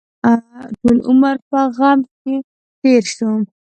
ټول عمر په غم کې تېر شو.